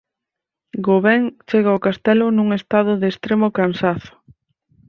Gauvain chega ao castelo nun estado de extremo cansazo.